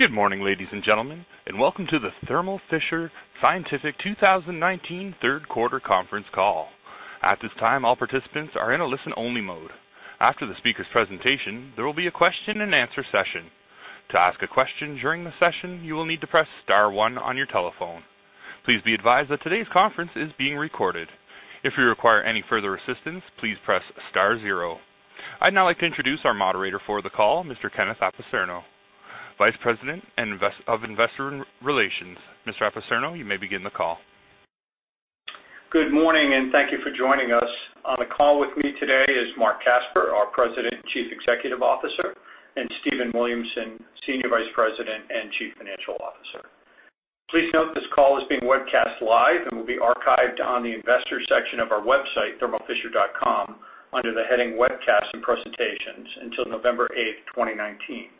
Good morning, ladies and gentlemen, and welcome to the Thermo Fisher Scientific 2019 third quarter conference call. At this time, all participants are in a listen-only mode. After the speaker's presentation, there will be a question and answer session. To ask a question during the session, you will need to press star one on your telephone. Please be advised that today's conference is being recorded. If you require any further assistance, please press star zero. I'd now like to introduce our moderator for the call, Mr. Ken Apicerno, Vice President of Investor Relations. Mr. Apicerno, you may begin the call. Good morning, and thank you for joining us. On the call with me today is Marc Casper, our president and chief executive officer, and Stephen Williamson, senior vice president and chief financial officer. Please note this call is being webcast live and will be archived on the investors section of our website, thermofisher.com, under the heading Webcasts and Presentations until November 8, 2019.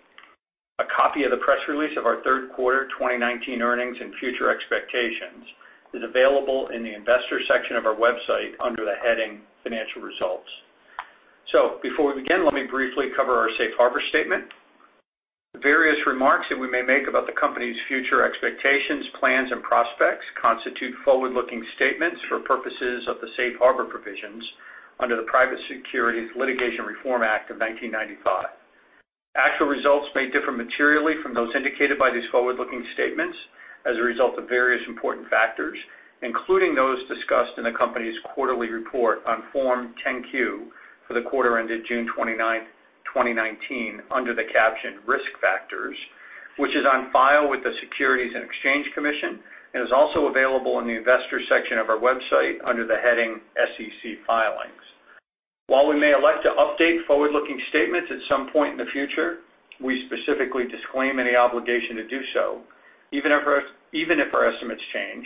A copy of the press release of our third quarter 2019 earnings and future expectations is available in the investors section of our website under the heading Financial Results. Before we begin, let me briefly cover our safe harbor statement. Various remarks that we may make about the company's future expectations, plans, and prospects constitute forward-looking statements for purposes of the safe harbor provisions under the Private Securities Litigation Reform Act of 1995. Actual results may differ materially from those indicated by these forward-looking statements as a result of various important factors, including those discussed in the company's quarterly report on Form 10-Q for the quarter ended June 29th, 2019, under the caption Risk Factors, which is on file with the Securities and Exchange Commission and is also available in the investors section of our website under the heading SEC Filings. While we may elect to update forward-looking statements at some point in the future, we specifically disclaim any obligation to do so even if our estimates change.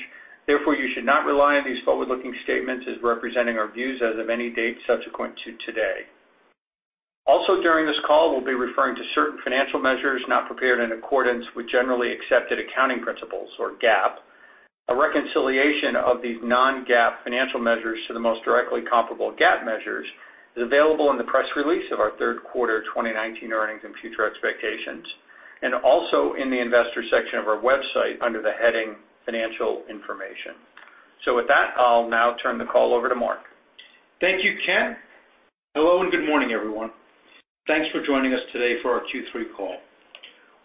You should not rely on these forward-looking statements as representing our views as of any date subsequent to today. During this call, we'll be referring to certain financial measures not prepared in accordance with generally accepted accounting principles, or GAAP. A reconciliation of these non-GAAP financial measures to the most directly comparable GAAP measures is available in the press release of our third quarter 2019 earnings and future expectations, and also in the investors section of our website under the heading Financial Information. With that, I'll now turn the call over to Marc. Thank you, Ken. Hello, good morning, everyone. Thanks for joining us today for our Q3 call.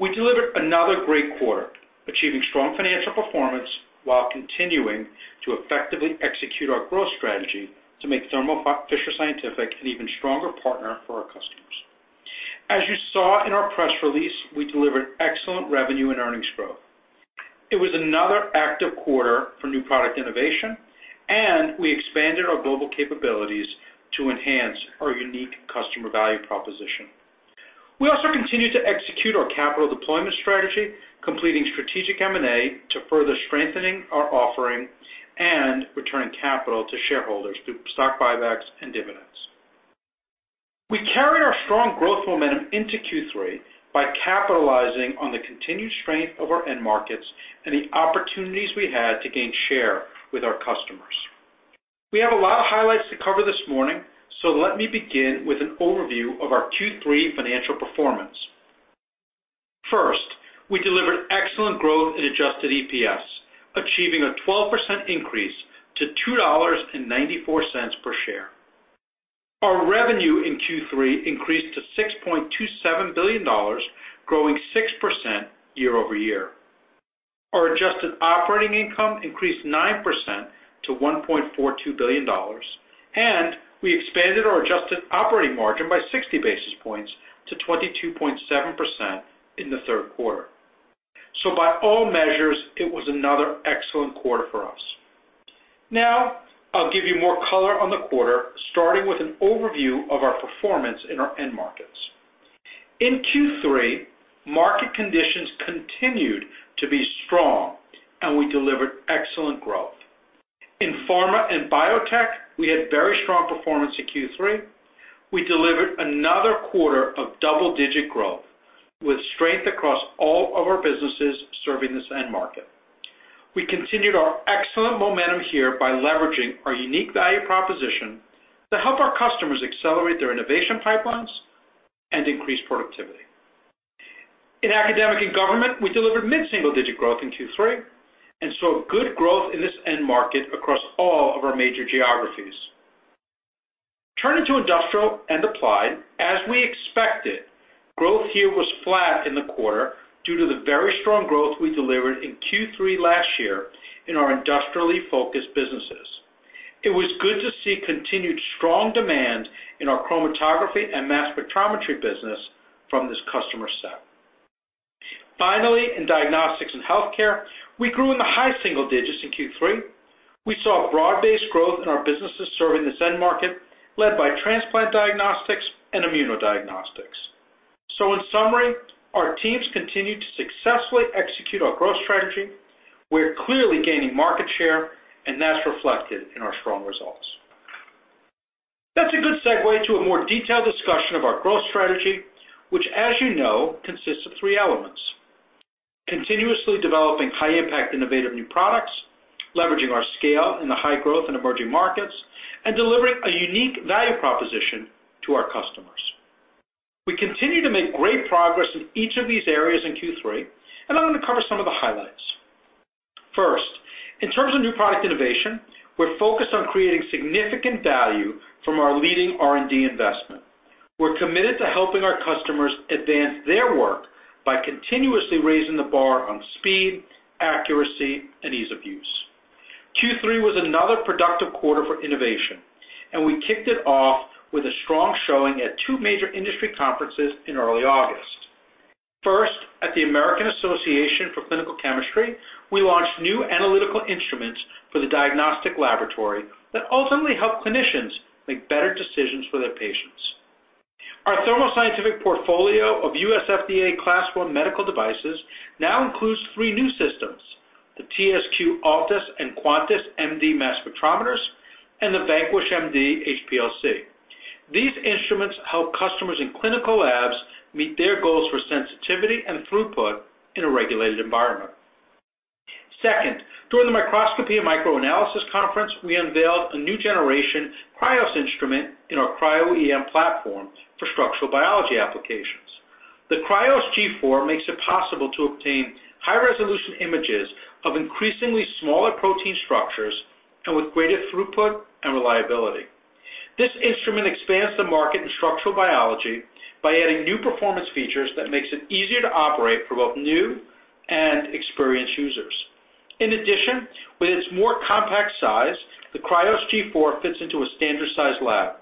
We delivered another great quarter, achieving strong financial performance while continuing to effectively execute our growth strategy to make Thermo Fisher Scientific an even stronger partner for our customers. As you saw in our press release, we delivered excellent revenue and earnings growth. It was another active quarter for new product innovation. We expanded our global capabilities to enhance our unique customer value proposition. We also continued to execute our capital deployment strategy, completing strategic M&A to further strengthening our offering and returning capital to shareholders through stock buybacks and dividends. We carried our strong growth momentum into Q3 by capitalizing on the continued strength of our end markets and the opportunities we had to gain share with our customers. We have a lot of highlights to cover this morning, so let me begin with an overview of our Q3 financial performance. First, we delivered excellent growth in adjusted EPS, achieving a 12% increase to $2.94 per share. Our revenue in Q3 increased to $6.27 billion, growing 6% year-over-year. Our adjusted operating income increased 9% to $1.42 billion, and we expanded our adjusted operating margin by 60 basis points to 22.7% in the third quarter. By all measures, it was another excellent quarter for us. Now, I'll give you more color on the quarter, starting with an overview of our performance in our end markets. In Q3, market conditions continued to be strong, and we delivered excellent growth. In pharma and biotech, we had very strong performance in Q3. We delivered another quarter of double-digit growth with strength across all of our businesses serving this end market. We continued our excellent momentum here by leveraging our unique value proposition to help our customers accelerate their innovation pipelines and increase productivity. In academic and government, we delivered mid-single digit growth in Q3 and saw good growth in this end market across all of our major geographies. Turning to industrial and applied, as we expected, growth here was flat in the quarter due to the very strong growth we delivered in Q3 last year in our industrially focused businesses. It was good to see continued strong demand in our chromatography and mass spectrometry business from this customer set. Finally, in diagnostics and healthcare, we grew in the high single digits in Q3. We saw broad-based growth in our businesses serving this end market led by transplant diagnostics and immunodiagnostics. In summary, our teams continued to successfully execute our growth strategy. We're clearly gaining market share, and that's reflected in our strong results. That's a good segue to a more detailed discussion of our growth strategy, which as you know, consists of three elements. Continuously developing high-impact innovative new products, leveraging our scale in the high growth and emerging markets, and delivering a unique value proposition to our customers. We continue to make great progress in each of these areas in Q3, and I'm going to cover some of the highlights. First, in terms of new product innovation, we're focused on creating significant value from our leading R&D investment. We're committed to helping our customers advance their work by continuously raising the bar on speed, accuracy, and ease of use. Q3 was another productive quarter for innovation, and we kicked it off with a strong showing at two major industry conferences in early August. First, at the American Association for Clinical Chemistry, we launched new analytical instruments for the diagnostic laboratory that ultimately help clinicians make better decisions for their patients. Our Thermo Scientific portfolio of U.S. FDA Class 1 medical devices now includes three new systems, the TSQ Altis MD and TSQ Quantis MD mass spectrometers, and the Vanquish MD HPLC. These instruments help customers in clinical labs meet their goals for sensitivity and throughput in a regulated environment. Second, during the Microscopy and Microanalysis conference, we unveiled a new generation Krios instrument in our Cryo-EM platform for structural biology applications. The Krios G4 makes it possible to obtain high-resolution images of increasingly smaller protein structures and with greater throughput and reliability. This instrument expands the market in structural biology by adding new performance features that makes it easier to operate for both new and experienced users. In addition, with its more compact size, the Krios G4 fits into a standard size lab.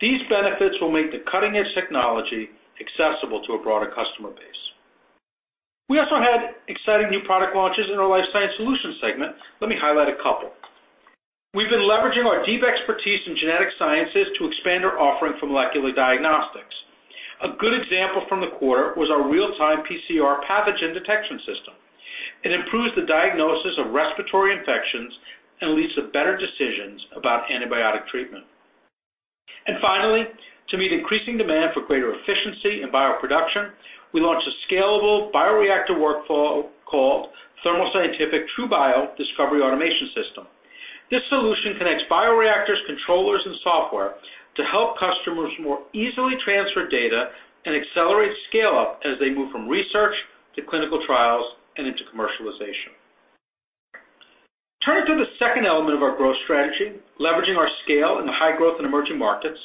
These benefits will make the cutting edge technology accessible to a broader customer base. We also had exciting new product launches in our Life Sciences Solutions segment. Let me highlight a couple. We've been leveraging our deep expertise in genetic sciences to expand our offering for molecular diagnostics. A good example from the quarter was our real-time PCR pathogen detection system. It improves the diagnosis of respiratory infections and leads to better decisions about antibiotic treatment. Finally, to meet increasing demand for greater efficiency in bioproduction, we launched a scalable bioreactor workflow called Thermo Scientific TruBio Discovery Automation System. This solution connects bioreactors, controllers, and software to help customers more easily transfer data and accelerate scale-up as they move from research to clinical trials and into commercialization. Turning to the second element of our growth strategy, leveraging our scale in the high growth and emerging markets,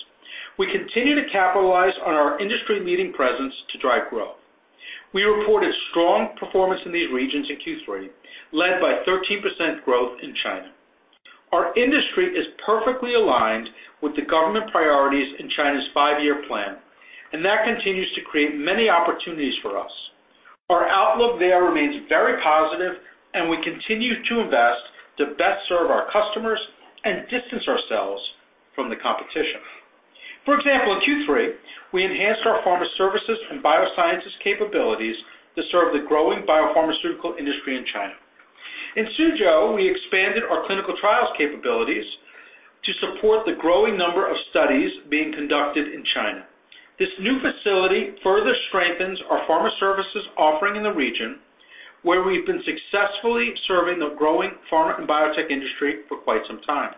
we continue to capitalize on our industry-leading presence to drive growth. We reported strong performance in these regions in Q3, led by 13% growth in China. Our industry is perfectly aligned with the government priorities in China's five-year plan, and that continues to create many opportunities for us. Our outlook there remains very positive, and we continue to invest to best serve our customers and distance ourselves from the competition. For example, in Q3, we enhanced our pharma services and biosciences capabilities to serve the growing biopharmaceutical industry in China. In Suzhou, we expanded our clinical trials capabilities to support the growing number of studies being conducted in China. This new facility further strengthens our pharma services offering in the region, where we've been successfully serving the growing pharma and biotech industry for quite some time.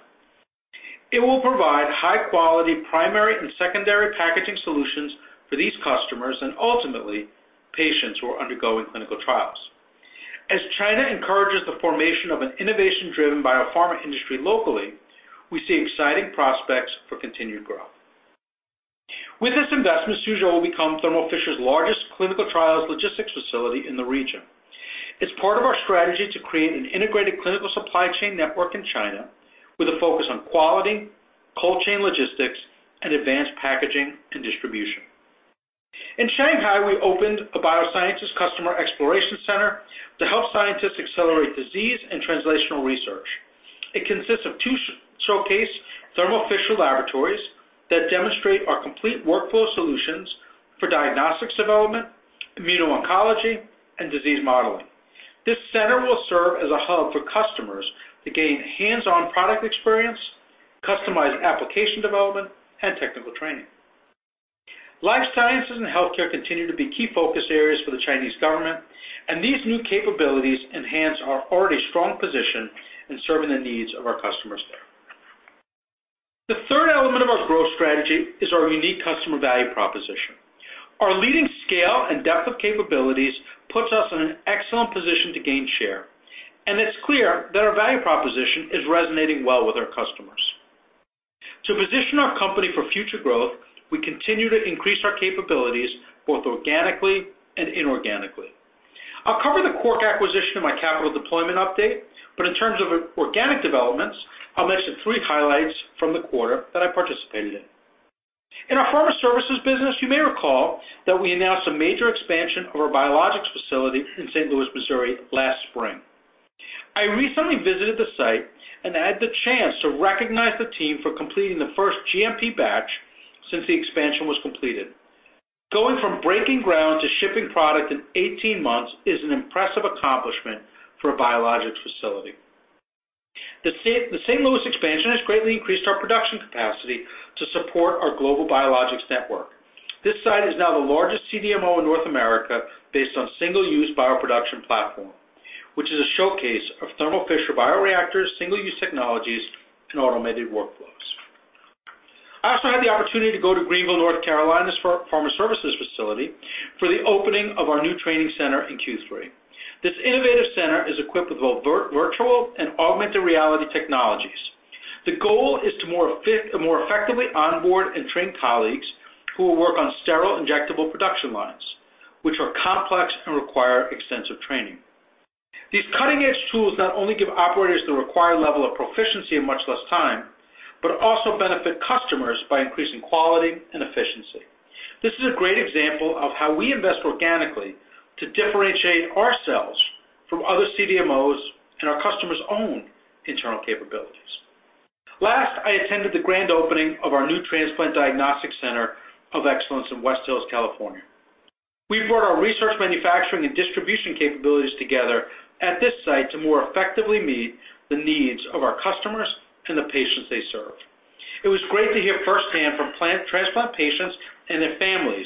It will provide high quality primary and secondary packaging solutions for these customers, and ultimately, patients who are undergoing clinical trials. As China encourages the formation of an innovation driven biopharma industry locally, we see exciting prospects for continued growth. With this investment, Suzhou will become Thermo Fisher's largest clinical trials logistics facility in the region. It's part of our strategy to create an integrated clinical supply chain network in China with a focus on quality, cold chain logistics, and advanced packaging and distribution. In Shanghai, we opened a biosciences customer exploration center to help scientists accelerate disease and translational research. It consists of two showcase Thermo Fisher laboratories that demonstrate our complete workflow solutions for diagnostics development, immuno-oncology, and disease modeling. This center will serve as a hub for customers to gain hands-on product experience, customized application development, and technical training. Life sciences and healthcare continue to be key focus areas for the Chinese government, and these new capabilities enhance our already strong position in serving the needs of our customers there. The third element of our growth strategy is our unique customer value proposition. Our leading scale and depth of capabilities puts us in an excellent position to gain share, and it's clear that our value proposition is resonating well with our customers. To position our company for future growth, we continue to increase our capabilities both organically and inorganically. I'll cover the Cork acquisition in my capital deployment update, but in terms of organic developments, I'll mention three highlights from the quarter that I participated in. In our Pharma Services business, you may recall that we announced a major expansion of our biologics facility in St. Louis, Missouri last spring. I recently visited the site and had the chance to recognize the team for completing the first GMP batch since the expansion was completed. Going from breaking ground to shipping product in 18 months is an impressive accomplishment for a biologics facility. The St. Louis expansion has greatly increased our production capacity to support our global biologics network. This site is now the largest CDMO in North America based on single-use bioproduction platform, which is a showcase of Thermo Fisher bioreactors, single-use technologies, and automated workflows. I also had the opportunity to go to Greenville, North Carolina's Pharma Services facility for the opening of our new training center in Q3. This innovative center is equipped with both virtual and augmented reality technologies. The goal is to more effectively onboard and train colleagues who will work on sterile injectable production lines, which are complex and require extensive training. These cutting-edge tools not only give operators the required level of proficiency in much less time, but also benefit customers by increasing quality and efficiency. This is a great example of how we invest organically to differentiate ourselves from other CDMOs and our customers' own internal capabilities. Last, I attended the grand opening of our new Transplant Diagnostics Center of Excellence in West Hills, California. We've brought our research, manufacturing, and distribution capabilities together at this site to more effectively meet the needs of our customers and the patients they serve. It was great to hear firsthand from transplant patients and their families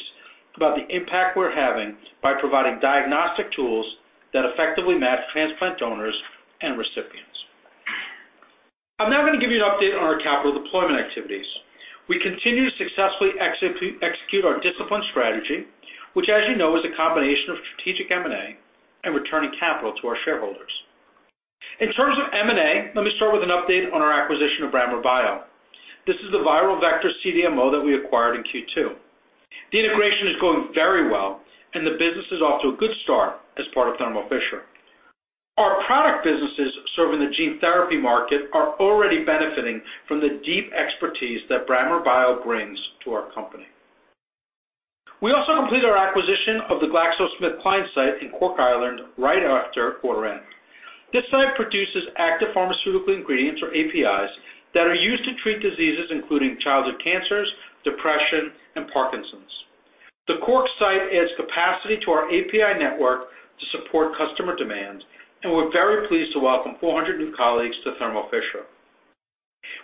about the impact we're having by providing diagnostic tools that effectively match transplant donors and recipients. I'm now going to give you an update on our capital deployment activities. We continue to successfully execute our discipline strategy, which, as you know, is a combination of strategic M&A and returning capital to our shareholders. In terms of M&A, let me start with an update on our acquisition of Brammer Bio. This is the viral vector CDMO that we acquired in Q2. The integration is going very well, and the business is off to a good start as part of Thermo Fisher. Our product businesses serving the gene therapy market are already benefiting from the deep expertise that Brammer Bio brings to our company. We also completed our acquisition of the GlaxoSmithKline site in Cork, Ireland right after quarter end. This site produces active pharmaceutical ingredients, or APIs, that are used to treat diseases including childhood cancers, depression, and Parkinson's. The Cork site adds capacity to our API network to support customer demand. We're very pleased to welcome 400 new colleagues to Thermo Fisher.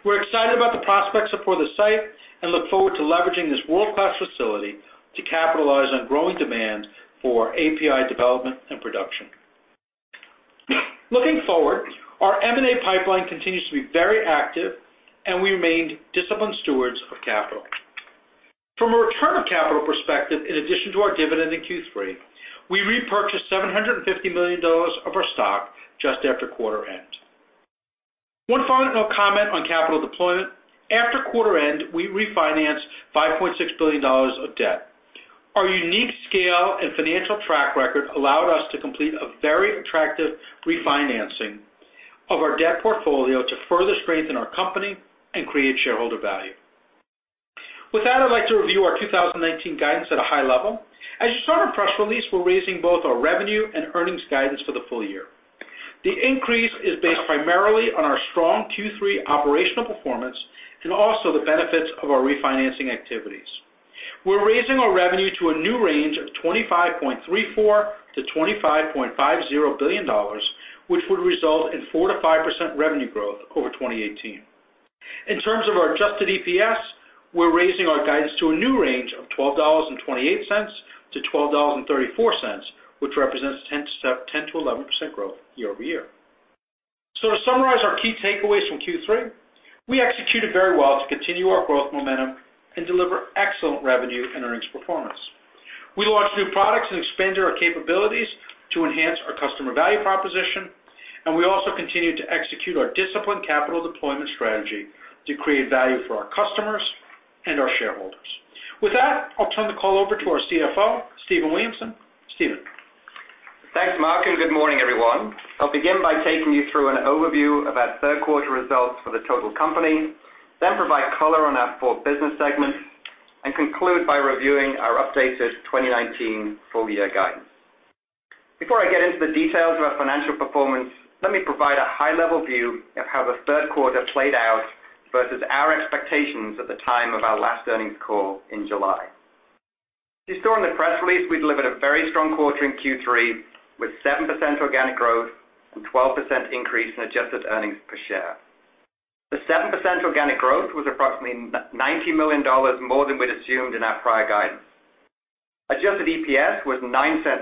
We're excited about the prospects for the site and look forward to leveraging this world-class facility to capitalize on growing demand for API development and production. Looking forward, our M&A pipeline continues to be very active. We remained disciplined stewards of capital. From a return of capital perspective, in addition to our dividend in Q3, we repurchased $750 million of our stock just after quarter end. One final comment on capital deployment. After quarter end, we refinanced $5.6 billion of debt. Our unique scale and financial track record allowed us to complete a very attractive refinancing of our debt portfolio to further strengthen our company and create shareholder value. With that, I'd like to review our 2019 guidance at a high level. As you saw in our press release, we're raising both our revenue and earnings guidance for the full year. The increase is based primarily on our strong Q3 operational performance and also the benefits of our refinancing activities. We're raising our revenue to a new range of $25.34 billion-$25.50 billion, which would result in 4%-5% revenue growth over 2018. In terms of our adjusted EPS, we're raising our guidance to a new range of $12.28-$12.34, which represents 10%-11% growth year-over-year. To summarize our key takeaways from Q3, we executed very well to continue our growth momentum and deliver excellent revenue and earnings performance. We launched new products and expanded our capabilities to enhance our customer value proposition, and we also continued to execute our disciplined capital deployment strategy to create value for our customers and our shareholders. With that, I'll turn the call over to our CFO, Stephen Williamson. Stephen? Thanks, Marc, good morning, everyone. I'll begin by taking you through an overview of our third quarter results for the total company, then provide color on our four business segments, and conclude by reviewing our updated 2019 full-year guidance. Before I get into the details of our financial performance, let me provide a high-level view of how the third quarter played out versus our expectations at the time of our last earnings call in July. You saw in the press release we delivered a very strong quarter in Q3, with 7% organic growth and 12% increase in adjusted earnings per share. The 7% organic growth was approximately $90 million more than we'd assumed in our prior guidance. Adjusted EPS was $0.09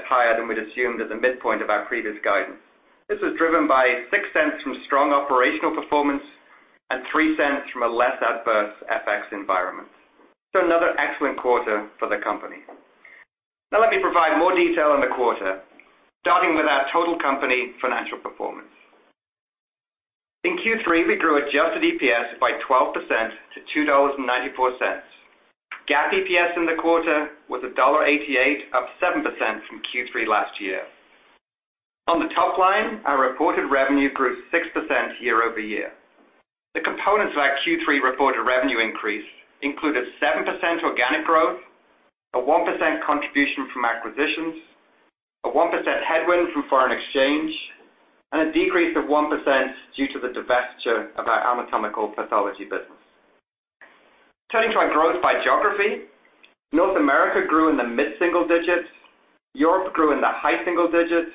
higher than we'd assumed at the midpoint of our previous guidance. This was driven by $0.06 from strong operational performance and $0.03 from a less adverse FX environment. Another excellent quarter for the company. Let me provide more detail on the quarter, starting with our total company financial performance. In Q3, we grew adjusted EPS by 12% to $2.94. GAAP EPS in the quarter was $1.88, up 7% from Q3 last year. On the top line, our reported revenue grew 6% year-over-year. The components of our Q3 reported revenue increase included 7% organic growth, a 1% contribution from acquisitions, a 1% headwind from foreign exchange, and a decrease of 1% due to the divestiture of our anatomical pathology business. Turning to our growth by geography, North America grew in the mid-single digits. Europe grew in the high single digits.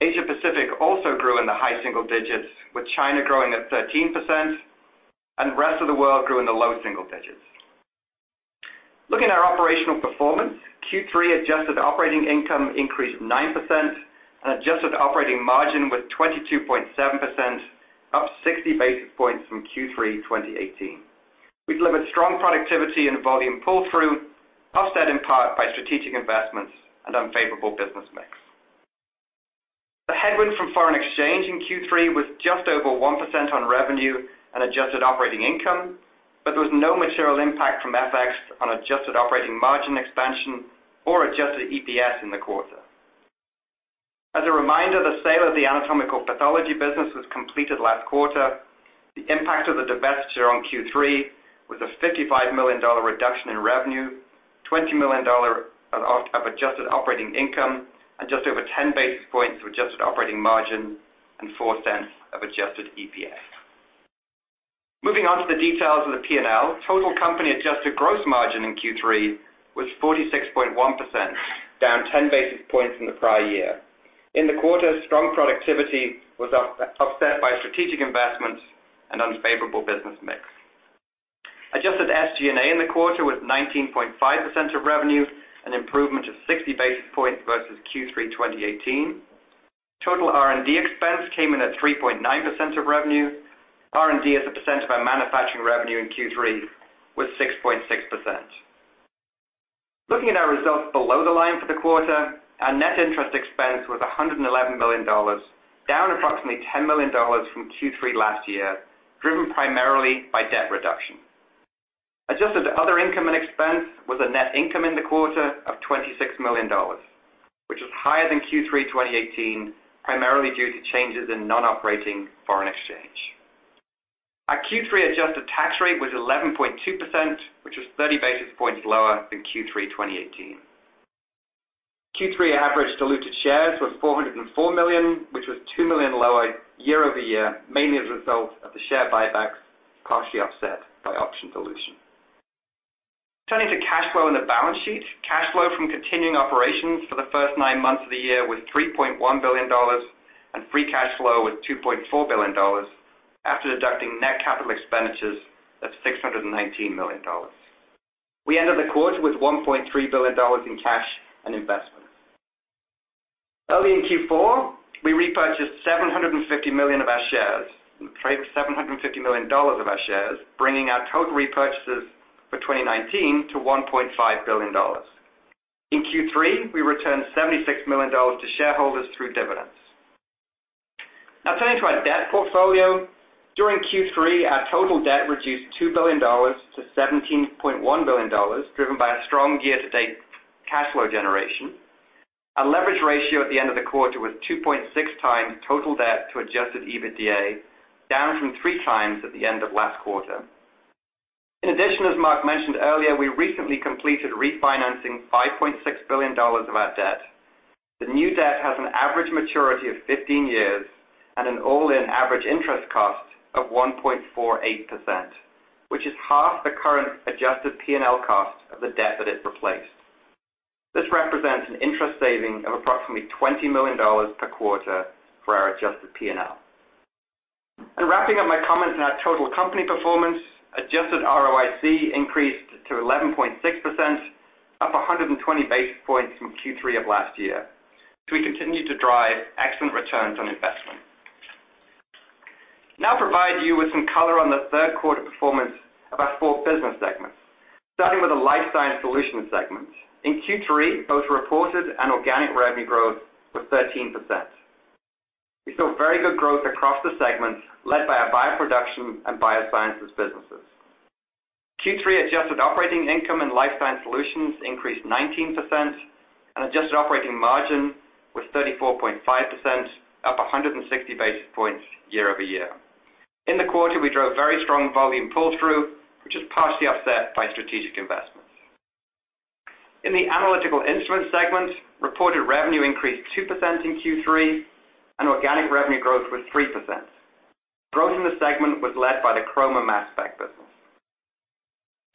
Asia Pacific also grew in the high single digits, with China growing at 13%, and the rest of the world grew in the low single digits. Looking at our operational performance, Q3 adjusted operating income increased 9%, and adjusted operating margin was 22.7%, up 60 basis points from Q3 2018. We delivered strong productivity and volume pull-through, offset in part by strategic investments and unfavorable business mix. The headwind from foreign exchange in Q3 was just over 1% on revenue and adjusted operating income, but there was no material impact from FX on adjusted operating margin expansion or adjusted EPS in the quarter. As a reminder, the sale of the anatomical pathology business was completed last quarter. The impact of the divestiture on Q3 was a $55 million reduction in revenue, $20 million of adjusted operating income, and just over 10 basis points of adjusted operating margin and $0.04 of adjusted EPS. Moving on to the details of the P&L, total company adjusted gross margin in Q3 was 46.1%, down 10 basis points from the prior year. In the quarter, strong productivity was offset by strategic investments and unfavorable business mix. Adjusted SG&A in the quarter was 19.5% of revenue, an improvement of 60 basis points versus Q3 2018. Total R&D expense came in at 3.9% of revenue. R&D as a percent of our manufacturing revenue in Q3 was 6.6%. Looking at our results below the line for the quarter, our net interest expense was $111 million, down approximately $10 million from Q3 last year, driven primarily by debt reduction. Adjusted other income and expense was a net income in the quarter of $26 million, which was higher than Q3 2018, primarily due to changes in non-operating foreign exchange. Our Q3 adjusted tax rate was 11.2%, which was 30 basis points lower than Q3 2018. Q3 average diluted shares was 404 million, which was 2 million lower year-over-year, mainly as a result of the share buybacks, partially offset by option dilution. Turning to cash flow and the balance sheet, cash flow from continuing operations for the first nine months of the year was $3.1 billion, and free cash flow was $2.4 billion, after deducting net capital expenditures of $619 million. We ended the quarter with $1.3 billion in cash and investments. Early in Q4, we repurchased $750 million of our shares, bringing our total repurchases for 2019 to $1.5 billion. In Q3, we returned $76 million to shareholders through dividends. Now turning to our debt portfolio. During Q3, our total debt reduced $2 billion to $17.1 billion, driven by a strong year-to-date cash flow generation. Our leverage ratio at the end of the quarter was 2.6 times total debt to adjusted EBITDA, down from three times at the end of last quarter. In addition, as Marc mentioned earlier, we recently completed refinancing $5.6 billion of our debt. The new debt has an average maturity of 15 years and an all-in average interest cost of 1.48%, which is half the current adjusted P&L cost of the debt that it replaced. This represents an interest saving of approximately $20 million per quarter for our adjusted P&L. Wrapping up my comments on our total company performance, adjusted ROIC increased to 11.6%, up 120 basis points from Q3 of last year. We continue to drive excellent returns on investment. Now I'll provide you with some color on the third quarter performance of our four business segments. Starting with the Life Sciences Solutions segment. In Q3, both reported and organic revenue growth was 13%. We saw very good growth across the segment, led by our bioproduction and biosciences businesses. Q3 adjusted operating income in Life Sciences Solutions increased 19%, and adjusted operating margin was 34.5%, up 160 basis points year-over-year. In the quarter, we drove very strong volume pull-through, which was partially offset by strategic investments. In the Analytical Instruments segment, reported revenue increased 2% in Q3 and organic revenue growth was 3%. Growth in the segment was led by the chroma mass spec business.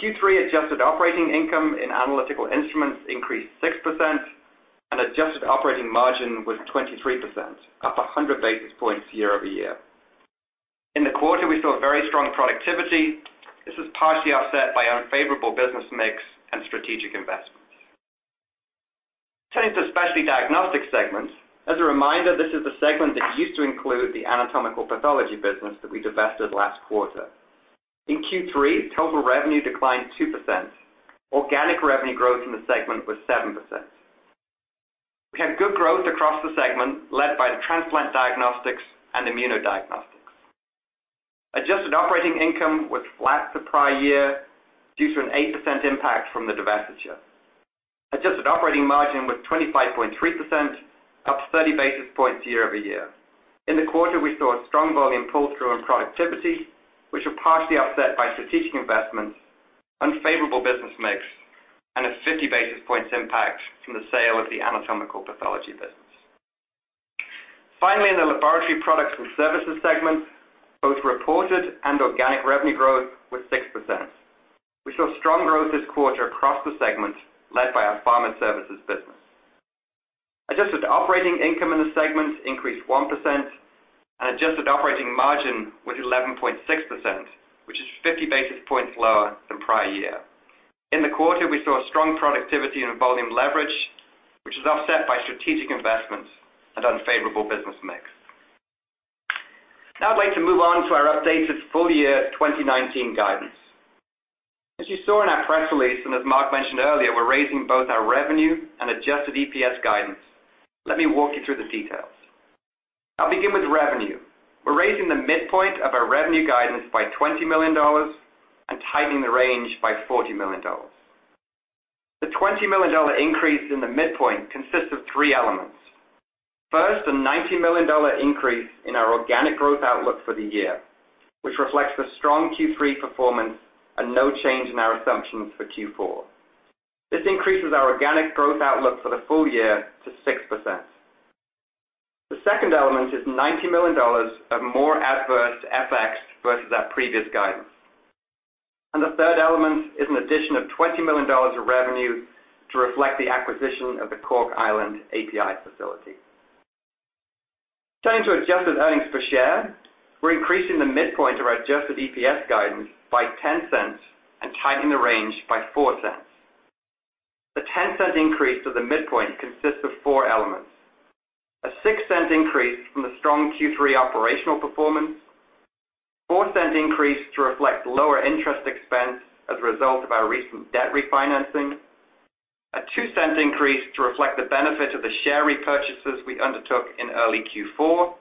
Q3 adjusted operating income in Analytical Instruments increased 6%, and adjusted operating margin was 23%, up 100 basis points year-over-year. In the quarter, we saw very strong productivity. This was partially offset by unfavorable business mix and strategic investments. Turning to Specialty Diagnostics segment. As a reminder, this is the segment that used to include the anatomical pathology business that we divested last quarter. In Q3, total revenue declined 2%. Organic revenue growth in the segment was 7%. We had good growth across the segment, led by the Transplant Diagnostics and Immunodiagnostics. Adjusted operating income was flat to prior year due to an 8% impact from the divestiture. Adjusted operating margin was 25.3%, up 30 basis points year-over-year. In the quarter, we saw strong volume pull-through and productivity, which were partially offset by strategic investments, unfavorable business mix, and a 50 basis points impact from the sale of the anatomical pathology business. Finally, in the Laboratory Products and Services segment, both reported and organic revenue growth was 6%. We saw strong growth this quarter across the segment led by our pharma services business. Adjusted operating income in the segment increased 1%, and adjusted operating margin was 11.6%, which is 50 basis points lower than prior year. In the quarter, we saw strong productivity and volume leverage, which was offset by strategic investments and unfavorable business mix. I'd like to move on to our updated full year 2019 guidance. As you saw in our press release, and as Marc mentioned earlier, we're raising both our revenue and adjusted EPS guidance. Let me walk you through the details. I'll begin with revenue. We're raising the midpoint of our revenue guidance by $20 million and tightening the range by $40 million. The $20 million increase in the midpoint consists of three elements. A $90 million increase in our organic growth outlook for the year, which reflects the strong Q3 performance and no change in our assumptions for Q4. This increases our organic growth outlook for the full year to 6%. The second element is $90 million of more adverse FX versus our previous guidance. The third element is an addition of $20 million of revenue to reflect the acquisition of the Cork, Ireland API facility. Turning to adjusted earnings per share, we're increasing the midpoint of our adjusted EPS guidance by $0.10 and tightening the range by $0.04. The $0.10 increase to the midpoint consists of four elements. A $0.06 increase from the strong Q3 operational performance, a $0.04 increase to reflect lower interest expense as a result of our recent debt refinancing, a $0.02 increase to reflect the benefit of the share repurchases we undertook in early Q4,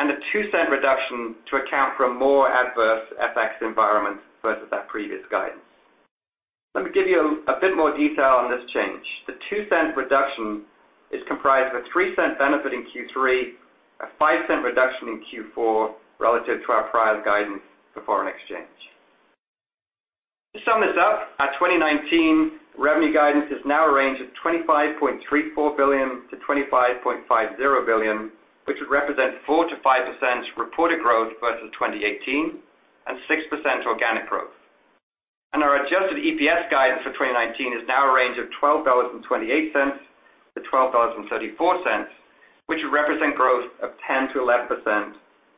and a $0.02 reduction to account for a more adverse FX environment versus our previous guidance. Let me give you a bit more detail on this change. The $0.02 reduction is comprised of a $0.03 benefit in Q3, a $0.05 reduction in Q4 relative to our prior guidance for foreign exchange. To sum this up, our 2019 revenue guidance is now a range of $25.34 billion-$25.50 billion, which would represent 4%-5% reported growth versus 2018 and 6% organic growth. Our adjusted EPS guidance for 2019 is now a range of $12.28-$12.34, which would represent growth of 10%-11%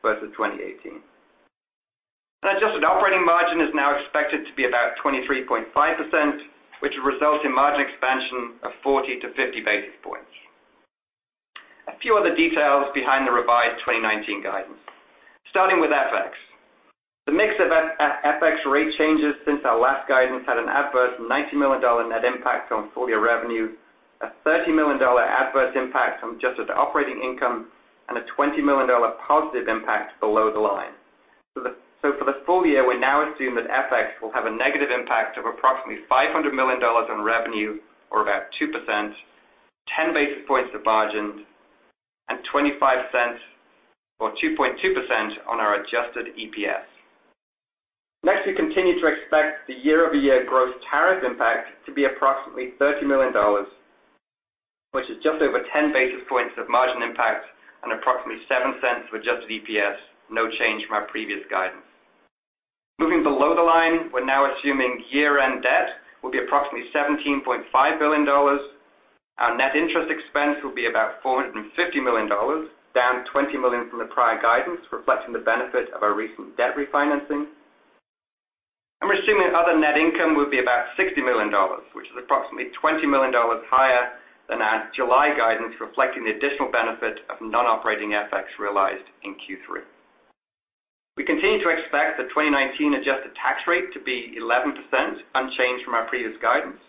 versus 2018. adjusted operating margin is now expected to be about 23.5%, which would result in margin expansion of 40-50 basis points. A few other details behind the revised 2019 guidance. Starting with FX. The mix of FX rate changes since our last guidance had an adverse $90 million net impact on full-year revenue, a $30 million adverse impact on adjusted operating income, and a $20 million positive impact below the line. For the full year, we now assume that FX will have a negative impact of approximately $500 million on revenue, or about 2%, 10 basis points of margin, and $0.25 or 2.2% on our adjusted EPS. Next, we continue to expect the year-over-year gross tariff impact to be approximately $30 million, which is just over 10 basis points of margin impact and approximately $0.07 of adjusted EPS, no change from our previous guidance. Moving below the line, we're now assuming year-end debt will be approximately $17.5 billion. Our net interest expense will be about $450 million, down $20 million from the prior guidance, reflecting the benefit of our recent debt refinancing. We're assuming other net income will be about $60 million, which is approximately $20 million higher than our July guidance, reflecting the additional benefit of non-operating FX realized in Q3. We continue to expect the 2019 adjusted tax rate to be 11%, unchanged from our previous guidance.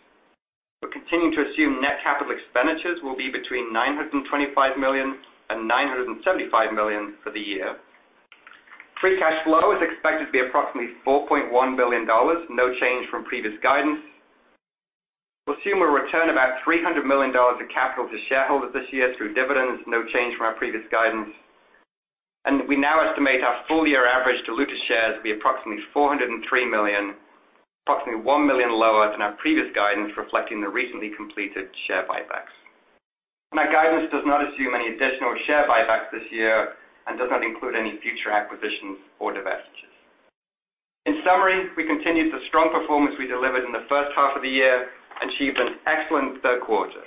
We're continuing to assume net capital expenditures will be between $925 million and $975 million for the year. Free cash flow is expected to be approximately $4.1 billion, no change from previous guidance. We assume we'll return about $300 million of capital to shareholders this year through dividends, no change from our previous guidance. We now estimate our full-year average diluted shares to be approximately 403 million, approximately 1 million lower than our previous guidance, reflecting the recently completed share buybacks. Our guidance does not assume any additional share buybacks this year and does not include any future acquisitions or divestitures. In summary, we continued the strong performance we delivered in the first half of the year and achieved an excellent third quarter.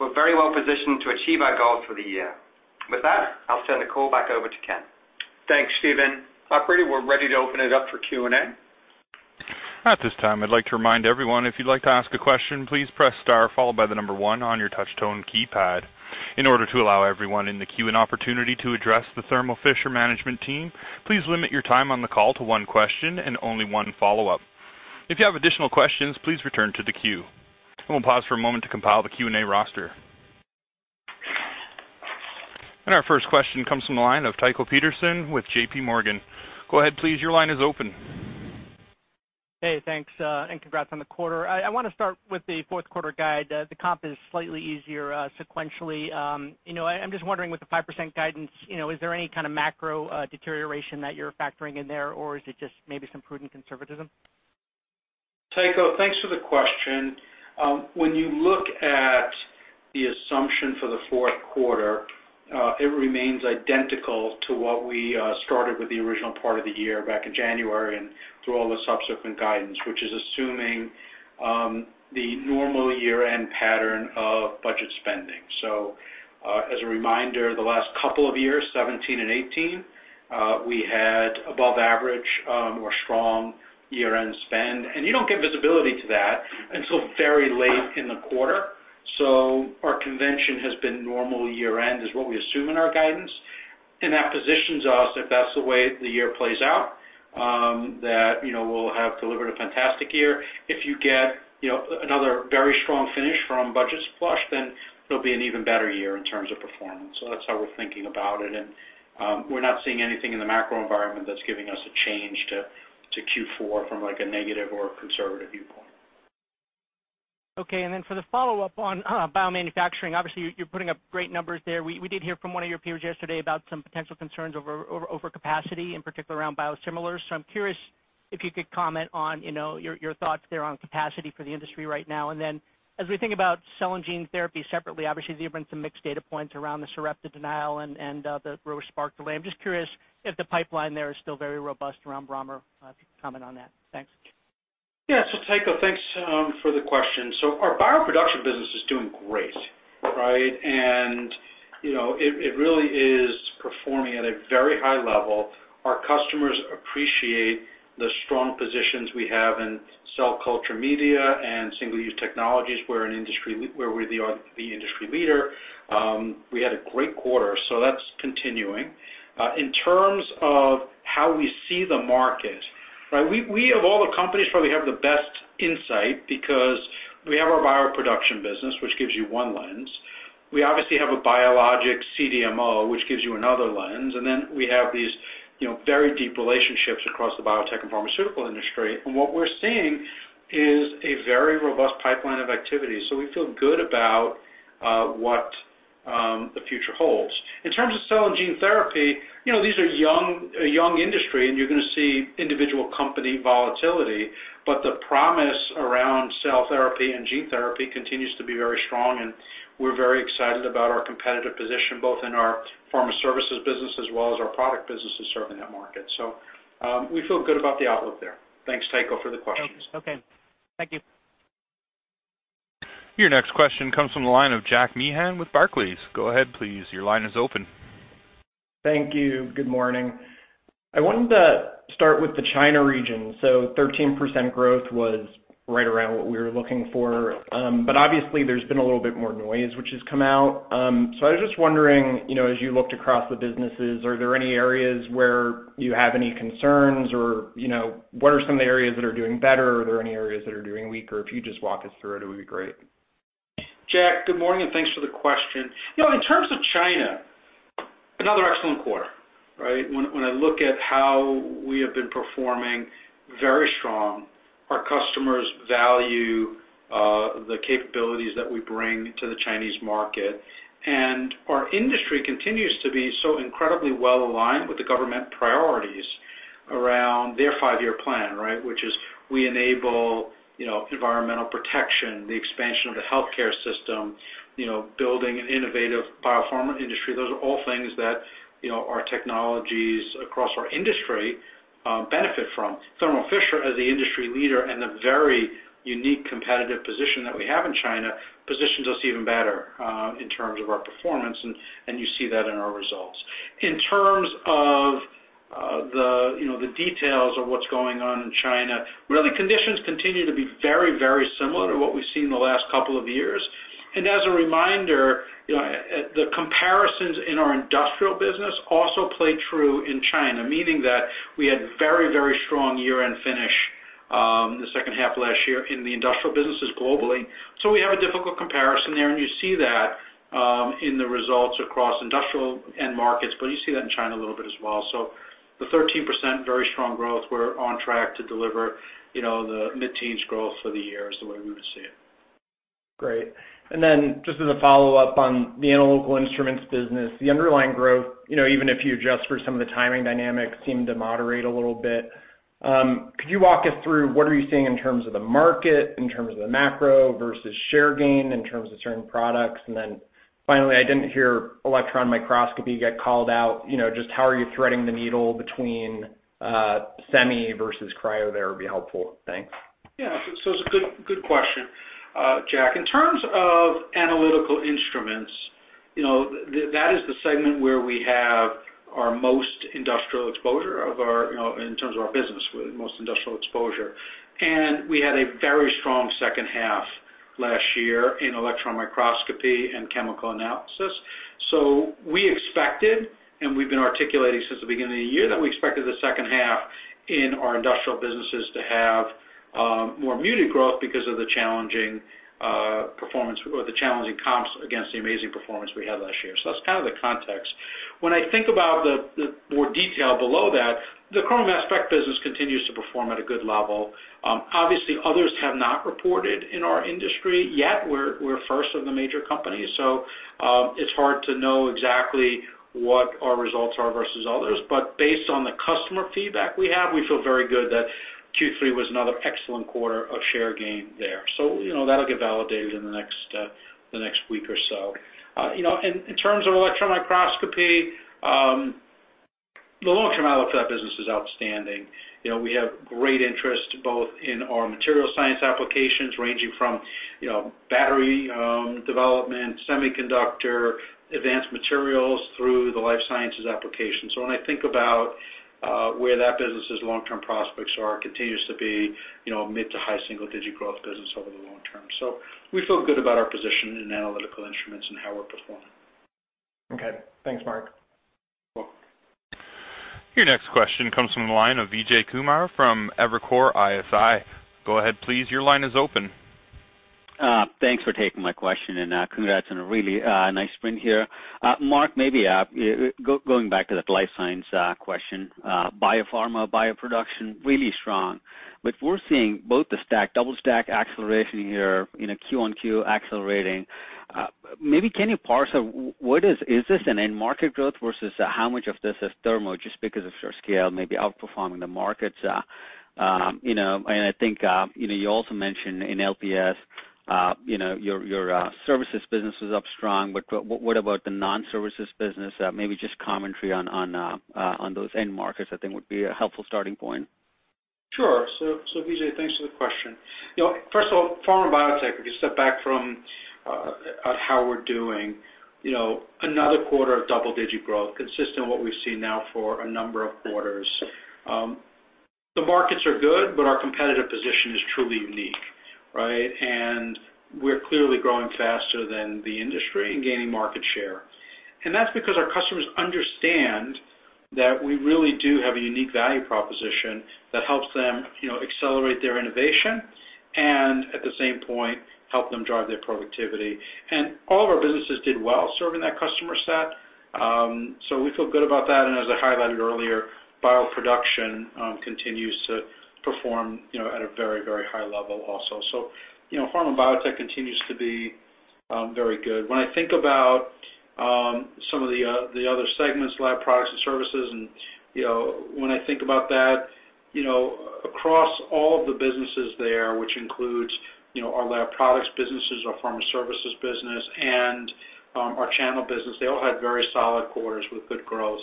We're very well positioned to achieve our goals for the year. With that, I'll turn the call back over to Ken. Thanks, Stephen. Operator, we're ready to open it up for Q&A. At this time, I'd like to remind everyone, if you'd like to ask a question, please press star followed by the number one on your touch-tone keypad. In order to allow everyone in the queue an opportunity to address the Thermo Fisher management team, please limit your time on the call to one question and only one follow-up. If you have additional questions, please return to the queue. We'll pause for a moment to compile the Q&A roster. Our first question comes from the line of Tycho Peterson with J.P. Morgan. Go ahead, please. Your line is open. Hey, thanks, and congrats on the quarter. I want to start with the fourth quarter guide. The comp is slightly easier sequentially. I'm just wondering with the 5% guidance, is there any kind of macro deterioration that you're factoring in there, or is it just maybe some prudent conservatism? Tycho, thanks for the question. You look at the assumption for the fourth quarter, it remains identical to what we started with the original part of the year back in January and through all the subsequent guidance, which is assuming the normal year-end pattern of budget spending. As a reminder, the last couple of years, 2017 and 2018, we had above average or strong year-end spend. You don't get visibility to that until very late in the quarter. Our convention has been normal year-end is what we assume in our guidance, and that positions us, if that's the way the year plays out, that we'll have delivered a fantastic year. If you get another very strong finish from budgets flush, it'll be an even better year in terms of performance. That's how we're thinking about it, and we're not seeing anything in the macro environment that's giving us a change to Q4 from a negative or a conservative viewpoint. Okay, for the follow-up on biomanufacturing, obviously you're putting up great numbers there. We did hear from one of your peers yesterday about some potential concerns over capacity, in particular around biosimilars. I'm curious if you could comment on your thoughts there on capacity for the industry right now. As we think about cell and gene therapy separately, obviously there've been some mixed data points around the Sarepta denial and the Spark delay. I'm just curious if the pipeline there is still very robust around Brammer. If you could comment on that. Thanks. Tycho, thanks for the question. Our bioproduction business is doing great. Right? It really is performing at a very high level. Our customers appreciate the strong positions we have in cell culture media and single-use technologies, where we're the industry leader. We had a great quarter, that's continuing. In terms of how we see the market, right, we of all the companies probably have the best insight because we have our bioproduction business, which gives you one lens. We obviously have a biologic CDMO, which gives you another lens, then we have these very deep relationships across the biotech and pharmaceutical industry. What we're seeing is a very robust pipeline of activity. We feel good about what the future holds. In terms of cell and gene therapy, these are a young industry, and you're going to see individual company volatility, but the promise around cell therapy and gene therapy continues to be very strong, and we're very excited about our competitive position, both in our pharma services business as well as our product businesses serving that market. We feel good about the outlook there. Thanks, Tycho, for the questions. Okay. Thank you. Your next question comes from the line of Jack Meehan with Barclays. Go ahead, please. Your line is open. Thank you. Good morning. I wanted to start with the China region. 13% growth was right around what we were looking for. Obviously there's been a little bit more noise which has come out. I was just wondering, as you looked across the businesses, are there any areas where you have any concerns or what are some of the areas that are doing better? Are there any areas that are doing weaker? If you could just walk us through it would be great. Jack, good morning. Thanks for the question. In terms of China, another excellent quarter. Right? When I look at how we have been performing, very strong. Our customers value the capabilities that we bring to the Chinese market, and our industry continues to be so incredibly well-aligned with the government priorities around their five-year plan, right? Which is we enable environmental protection, the expansion of the healthcare system, building an innovative biopharma industry. Those are all things that our technologies across our industry benefit from. Thermo Fisher, as the industry leader, and the very unique competitive position that we have in China, positions us even better in terms of our performance, and you see that in our results. In terms of the details of what's going on in China, really, conditions continue to be very similar to what we've seen in the last couple of years. As a reminder, the comparisons in our industrial business also play true in China, meaning that we had very strong year-end finish the second half of last year in the industrial businesses globally. We have a difficult comparison there, and you see that in the results across industrial end markets, but you see that in China a little bit as well. The 13%, very strong growth. We're on track to deliver the mid-teens growth for the year is the way we would see it. Great. Then just as a follow-up on the Analytical Instruments business, the underlying growth, even if you adjust for some of the timing dynamics, seemed to moderate a little bit. Could you walk us through what are you seeing in terms of the market, in terms of the macro versus share gain, in terms of certain products? Then finally, I didn't hear electron microscopy get called out. Just how are you threading the needle between SEMI versus cryo there would be helpful. Thanks. Yeah. It's a good question, Jack. In terms of Analytical Instruments, that is the segment where we have our most industrial exposure in terms of our business, most industrial exposure. We had a very strong second half last year in electron microscopy and chemical analysis. We expected, and we've been articulating since the beginning of the year, that we expected the second half in our industrial businesses to have more muted growth because of the challenging comps against the amazing performance we had last year. That's kind of the context. When I think about the more detail below that, the chrome mass spec business continues to perform at a good level. Obviously, others have not reported in our industry yet. We're first of the major companies, it's hard to know exactly what our results are versus others. Based on the customer feedback we have, we feel very good that Q3 was another excellent quarter of share gain there. That'll get validated in the next week or so. In terms of electron microscopy, the long-term outlook for that business is outstanding. We have great interest both in our material science applications, ranging from battery development, semiconductor, advanced materials, through the life sciences applications. When I think about where that business's long-term prospects are, it continues to be mid to high single-digit growth business over the long term. We feel good about our position in Analytical Instruments and how we're performing. Okay. Thanks, Marc. Welcome. Your next question comes from the line of Vijay Kumar from Evercore ISI. Go ahead, please. Your line is open. Thanks for taking my question. Congrats on a really nice sprint here. Marc, maybe going back to that Life Sciences question, biopharma, bioproduction, really strong. We're seeing both the stack, double stack acceleration here, Q-on-Q accelerating. Maybe can you parse, is this an end market growth versus how much of this is Thermo, just because of your scale, maybe outperforming the markets? I think, you also mentioned in LPS, your services business is up strong, but what about the non-services business? Maybe just commentary on those end markets, I think would be a helpful starting point. Sure. Vijay, thanks for the question. First of all, pharma biotech, if you step back from how we're doing, another quarter of double-digit growth, consistent with what we've seen now for a number of quarters. The markets are good, our competitive position is truly unique, right? We're clearly growing faster than the industry and gaining market share. That's because our customers understand that we really do have a unique value proposition that helps them accelerate their innovation and, at the same point, help them drive their productivity. All of our businesses did well serving that customer set. We feel good about that. As I highlighted earlier, bioproduction continues to perform at a very, very high level also. Pharma and biotech continues to be very good. When I think about some of the other segments, Laboratory Products and Services, and when I think about that, across all of the businesses there, which includes our lab products businesses, our pharma services business, and our channel business, they all had very solid quarters with good growth.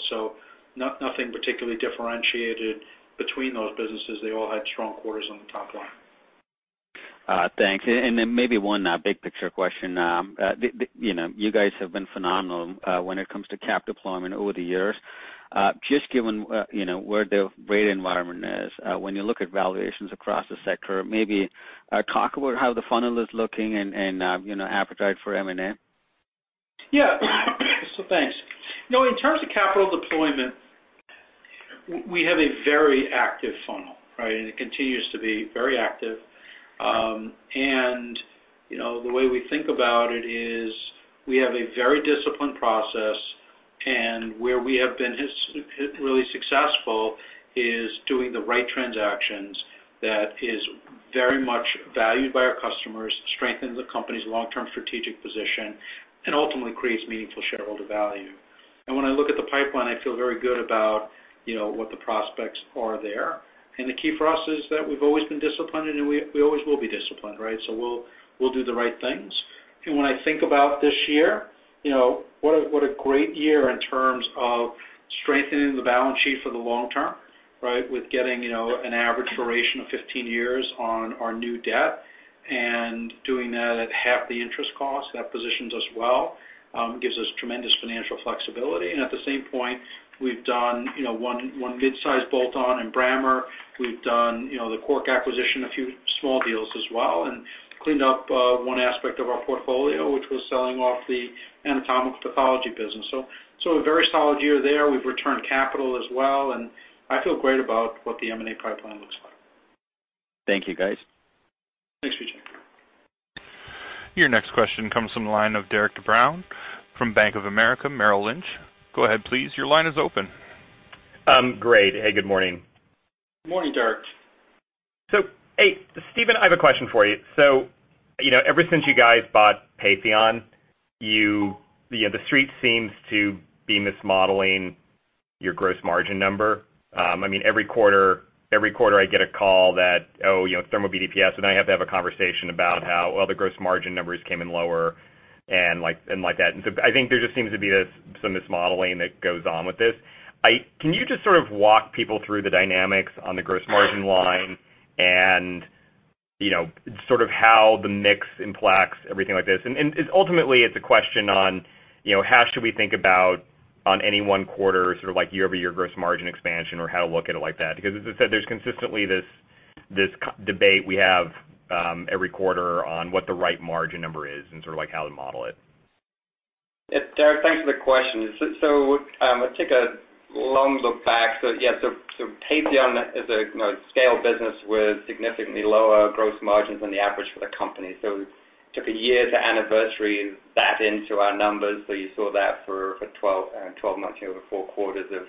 Nothing particularly differentiated between those businesses. They all had strong quarters on the top line. Thanks. Maybe one big picture question. You guys have been phenomenal when it comes to cap deployment over the years. Just given where the rate environment is, when you look at valuations across the sector, maybe talk about how the funnel is looking and appetite for M&A. Yeah. Thanks. In terms of capital deployment, we have a very active funnel, right? It continues to be very active. The way we think about it is we have a very disciplined process, and where we have been really successful is doing the right transactions that is very much valued by our customers, strengthens the company's long-term strategic position, and ultimately creates meaningful shareholder value. When I look at the pipeline, I feel very good about what the prospects are there. The key for us is that we've always been disciplined, and we always will be disciplined, right? We'll do the right things. When I think about this year, what a great year in terms of strengthening the balance sheet for the long term, right? With getting an average duration of 15 years on our new debt and doing that at half the interest cost, that positions us well, gives us tremendous financial flexibility. At the same point, we've done one mid-size bolt-on in Brammer. We've done the Cork acquisition, a few small deals as well, and cleaned up one aspect of our portfolio, which was selling off the anatomical pathology business. A very solid year there. We've returned capital as well, and I feel great about what the M&A pipeline looks like. Thank you, guys. Thanks, Vijay. Your next question comes from the line of Derik De Bruin from Bank of America Merrill Lynch. Go ahead, please. Your line is open. Great. Hey, good morning. Morning, Derik. Hey, Stephen, I have a question for you. Ever since you guys bought Patheon, the Street seems to be mismodeling your gross margin number. Every quarter I get a call that, "Oh, Thermo Bioprocessing," and I have to have a conversation about how all the gross margin numbers came in lower and like that. I think there just seems to be this mismodeling that goes on with this. Can you just sort of walk people through the dynamics on the gross margin line and sort of how the mix impacts everything like this? Ultimately, it's a question on how should we think about on any one quarter, sort of like year-over-year gross margin expansion or how to look at it like that. As I said, there's consistently this debate we have every quarter on what the right margin number is and sort of like how to model it. Derik, thanks for the question. I take a long look back. Patheon is a scaled business with significantly lower gross margins than the average for the company. It took a year to anniversary that into our numbers. You saw that for 12 months, over 4 quarters of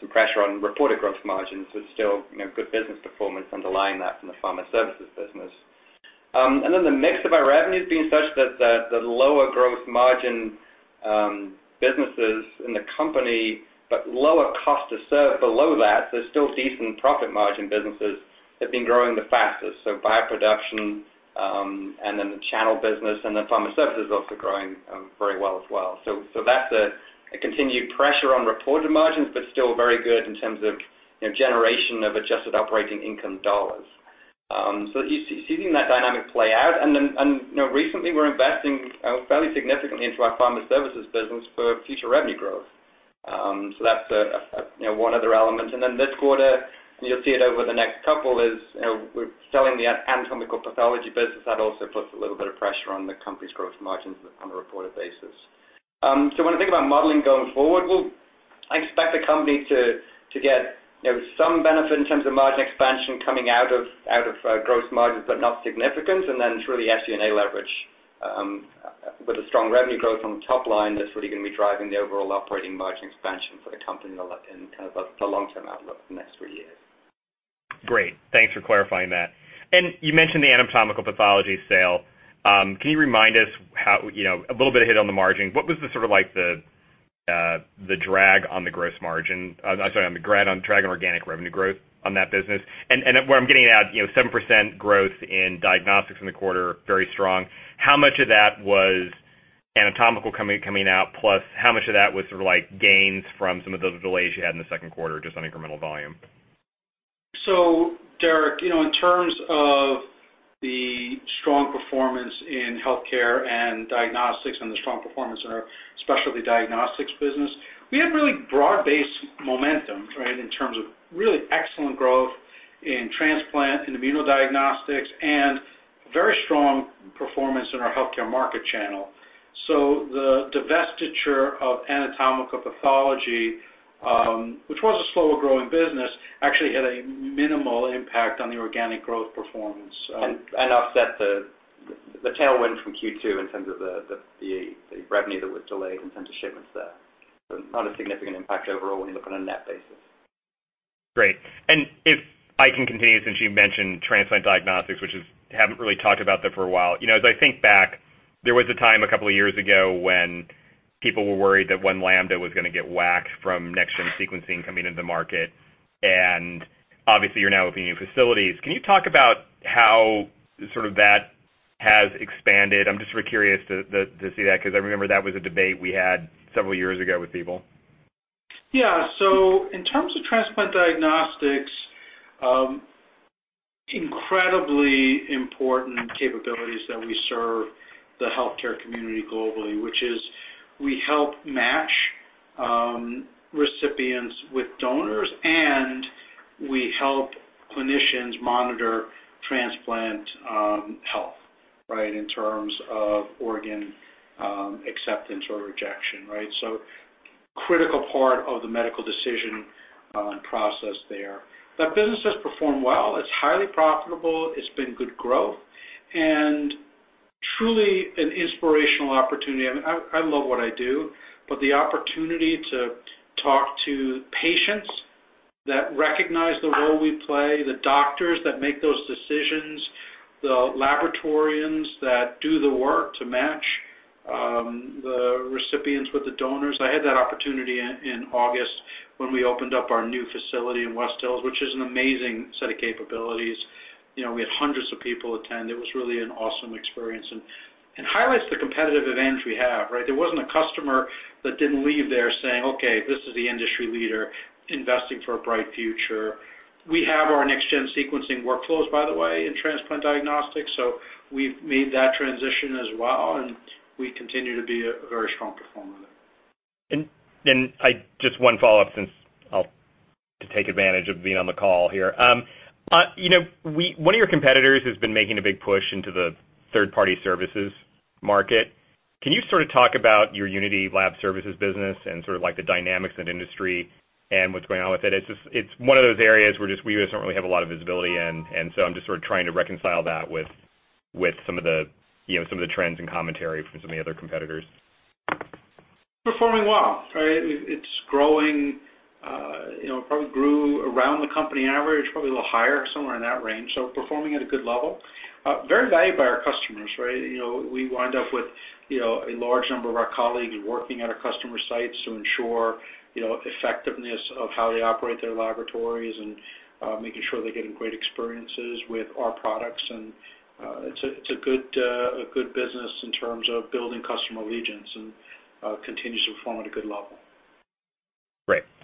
some pressure on reported gross margins, but still good business performance underlying that from the Pharma Services business. The mix of our revenues being such that the lower growth margin businesses in the company, but lower cost to serve below that, so still decent profit margin businesses, have been growing the fastest. Bioproduction, and then the channel business, and then Pharma Services also growing very well as well. That's a continued pressure on reported margins, but still very good in terms of generation of adjusted operating income dollars. You're seeing that dynamic play out. Recently we're investing fairly significantly into our Pharma Services business for future revenue growth. That's one other element. This quarter, and you'll see it over the next couple, is we're selling the anatomical pathology business. That also puts a little bit of pressure on the company's growth margins on a reported basis. When I think about modeling going forward, well, I expect the company to get some benefit in terms of margin expansion coming out of gross margins, but not significant. Through the SG&A leverage with a strong revenue growth on the top line, that's really going to be driving the overall operating margin expansion for the company in the long-term outlook for the next three years. Great. Thanks for clarifying that. You mentioned the anatomical pathology sale. Can you remind us how, a little bit of hit on the margin. What was the drag on organic revenue growth on that business? Where I'm getting at, 7% growth in Diagnostics in the quarter, very strong. How much of that was anatomical coming out, plus how much of that was gains from some of those delays you had in the second quarter, just on incremental volume? Derik, in terms of the strong performance in healthcare and diagnostics and the strong performance in our Specialty Diagnostics business, we had really broad-based momentum, right, in terms of really excellent growth in transplant, in immunodiagnostics, and very strong performance in our healthcare market channel. The divestiture of anatomical pathology, which was a slower-growing business, actually had a minimal impact on the organic growth performance. Offset the tailwind from Q2 in terms of the revenue that was delayed in terms of shipments there. Not a significant impact overall when you look on a net basis. Great. If I can continue, since you mentioned Transplant Diagnostics, which is, haven't really talked about that for a while. As I think back, there was a time a couple of years ago when people were worried that One Lambda was going to get whacked from next-gen sequencing coming into the market. Obviously you're now opening new facilities. Can you talk about how that has expanded? I'm just really curious to see that, because I remember that was a debate we had several years ago with people. In terms of transplant diagnostics, incredibly important capabilities that we serve the healthcare community globally, which is we help match recipients with donors, and we help clinicians monitor transplant health, right, in terms of organ acceptance or rejection, right? Critical part of the medical decision process there. That business has performed well. It's highly profitable. It's been good growth and truly an inspirational opportunity. I love what I do, but the opportunity to talk to patients that recognize the role we play, the doctors that make those decisions, the laboratorians that do the work to match the recipients with the donors. I had that opportunity in August when we opened up our new facility in West Hills, which is an amazing set of capabilities. We had hundreds of people attend. It was really an awesome experience and highlights the competitive advantage we have, right? There wasn't a customer that didn't leave there saying, "Okay, this is the industry leader investing for a bright future." We have our next-gen sequencing workflows, by the way, in transplant diagnostics. We've made that transition as well, and we continue to be a very strong performer there. Then just one follow-up, since I'll take advantage of being on the call here. One of your competitors has been making a big push into the third-party services market. Can you talk about your Unity Lab Services business and the dynamics in the industry and what's going on with it? It's one of those areas where just we don't really have a lot of visibility in, and so I'm just trying to reconcile that with some of the trends and commentary from some of the other competitors. Performing well. It's growing. It probably grew around the company average, probably a little higher, somewhere in that range. Performing at a good level. Very valued by our customers, right? We wind up with a large number of our colleagues working at our customer sites to ensure effectiveness of how they operate their laboratories and making sure they're getting great experiences with our products. It's a good business in terms of building customer allegiance and continues to perform at a good level.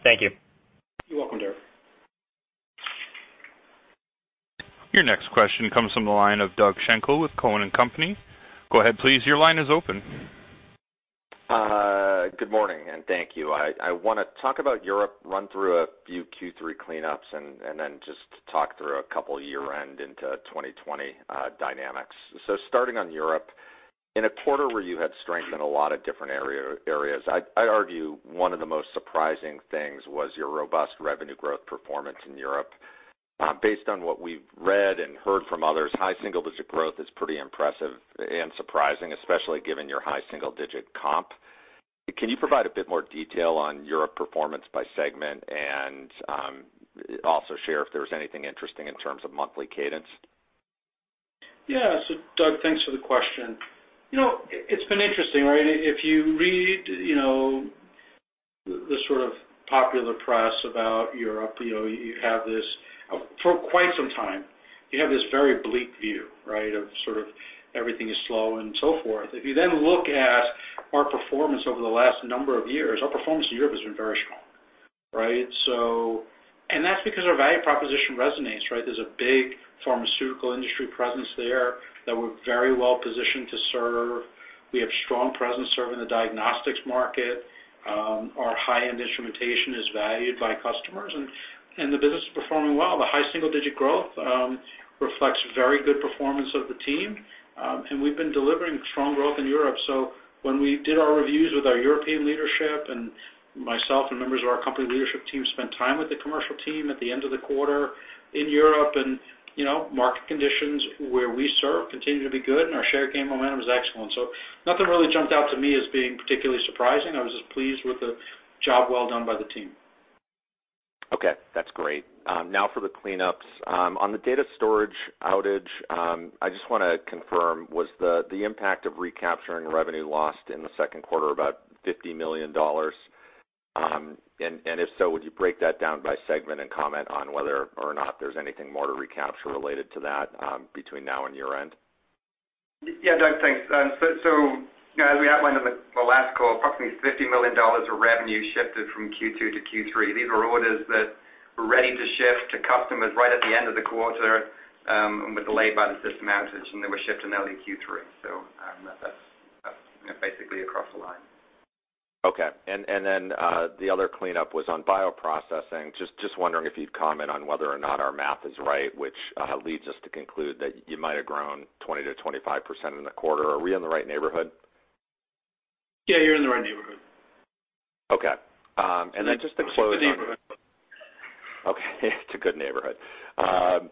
Great. Thank you. You're welcome, Derik. Your next question comes from the line of Doug Schenkel with Cowen and Company. Go ahead, please. Your line is open. Good morning, and thank you. I want to talk about Europe, run through a few Q3 cleanups, and then just talk through a couple year-end into 2020 dynamics. Starting on Europe, in a quarter where you had strength in a lot of different areas, I'd argue one of the most surprising things was your robust revenue growth performance in Europe. Based on what we've read and heard from others, high single-digit growth is pretty impressive and surprising, especially given your high single-digit comp. Can you provide a bit more detail on Europe performance by segment and also share if there's anything interesting in terms of monthly cadence? Yeah. Doug, thanks for the question. It's been interesting, right? If you read the sort of popular press about Europe, for quite some time, you have this very bleak view, right? Of sort of everything is slow and so forth. If you look at our performance over the last number of years, our performance in Europe has been very strong, right? That's because our value proposition resonates, right? There's a big pharmaceutical industry presence there that we're very well positioned to serve. We have strong presence serving the diagnostics market. Our high-end instrumentation is valued by customers. The business is performing well. The high single-digit growth reflects very good performance of the team. We've been delivering strong growth in Europe. When we did our reviews with our European leadership, myself and members of our company leadership team spent time with the commercial team at the end of the quarter in Europe. Market conditions where we serve continue to be good. Our share gain momentum is excellent. Nothing really jumped out to me as being particularly surprising. I was just pleased with the job well done by the team. Okay. That's great. Now for the cleanups. On the data storage outage, I just want to confirm, was the impact of recapturing revenue lost in the second quarter about $50 million? If so, would you break that down by segment and comment on whether or not there's anything more to recapture related to that between now and year-end? Yeah, Doug, thanks. As we outlined on the last call, approximately $50 million of revenue shifted from Q2 to Q3. These are orders that were ready to ship to customers right at the end of the quarter, and were delayed by the system outage, and they were shipped in early Q3. That's basically across the line. Okay. The other cleanup was on bioprocessing. Just wondering if you'd comment on whether or not our math is right, which leads us to conclude that you might have grown 20%-25% in the quarter. Are we in the right neighborhood? Yeah, you're in the right neighborhood. Okay. just to close It's a good neighborhood. Okay It's a good neighborhood.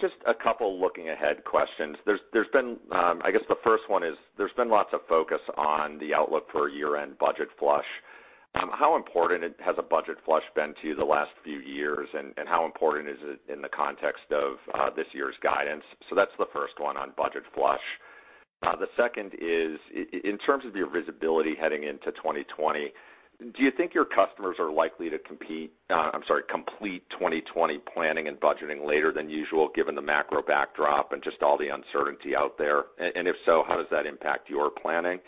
Just a couple looking ahead questions. The first one is, there's been lots of focus on the outlook for a year-end budget flush. How important has a budget flush been to you the last few years, and how important is it in the context of this year's guidance? That's the first one on budget flush. The second is, in terms of your visibility heading into 2020, do you think your customers are likely to complete 2020 planning and budgeting later than usual, given the macro backdrop and just all the uncertainty out there? If so, how does that impact your planning?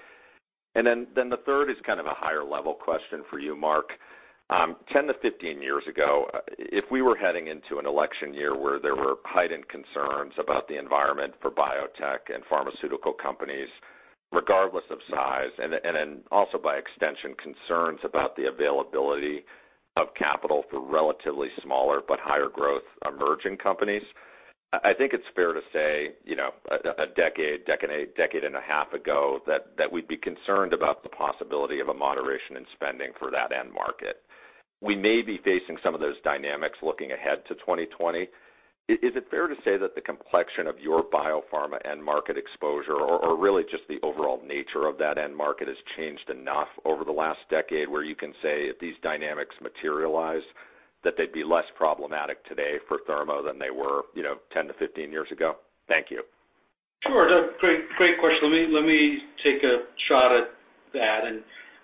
The third is kind of a higher-level question for you, Marc. 10 to 15 years ago, if we were heading into an election year where there were heightened concerns about the environment for biotech and pharmaceutical companies, regardless of size, and then also by extension, concerns about the availability of capital for relatively smaller but higher growth emerging companies, I think it's fair to say, a decade and a half ago, that we'd be concerned about the possibility of a moderation in spending for that end market. We may be facing some of those dynamics looking ahead to 2020. Is it fair to say that the complexion of your biopharma end market exposure or really just the overall nature of that end market has changed enough over the last decade where you can say if these dynamics materialize, that they'd be less problematic today for Thermo than they were 10 to 15 years ago? Thank you. Sure. Great question. Let me take a shot at that.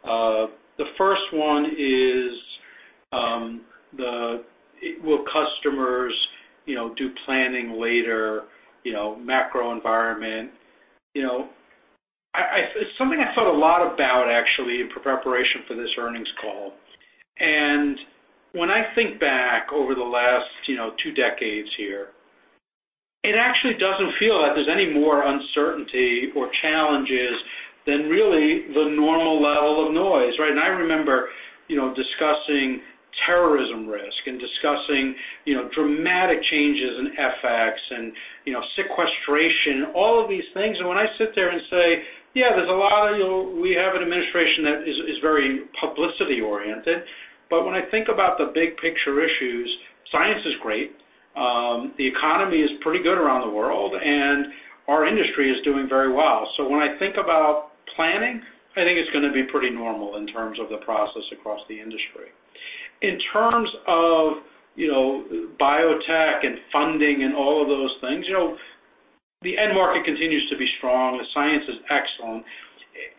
The first one is, will customers do planning later, macro environment? It's something I thought a lot about actually in preparation for this earnings call. When I think back over the last 2 decades here, it actually doesn't feel like there's any more uncertainty or challenges than really the normal level of noise, right? I remember discussing terrorism risk and discussing dramatic changes in FX and sequestration, all of these things. When I sit there and say, yeah, we have an administration that is very publicity oriented. When I think about the big picture issues, science is great, the economy is pretty good around the world, and our industry is doing very well. When I think about planning, I think it's going to be pretty normal in terms of the process across the industry. In terms of biotech and funding and all of those things, the end market continues to be strong. The science is excellent.